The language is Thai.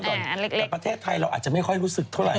แต่ประเทศไทยเราอาจจะไม่ค่อยรู้สึกเท่าไห